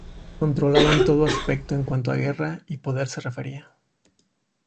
Controlaban todo aspecto en cuanto a guerra y poder se refería.